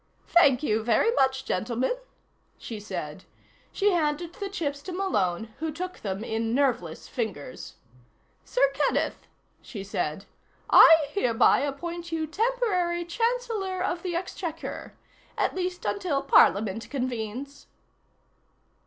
"Thank you very much, gentlemen," she said. She handed the chips to Malone, who took them in nerveless fingers. "Sir Kenneth," she said, "I hereby appoint you temporary Chancellor of the Exchequer at least until Parliament convenes."